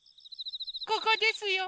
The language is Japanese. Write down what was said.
ここですよ。